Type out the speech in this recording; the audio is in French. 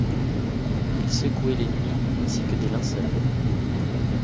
Ils secouaient les nuits ainsi que des linceuls ;